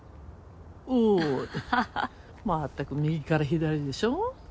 「おう」でまったく右から左でしょ。